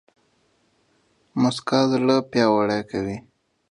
موسکا زړه پياوړی کوي